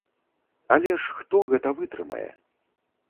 Але ж хто гэта вытрымае?